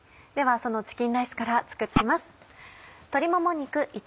ではそのチキンライスから作って行きます。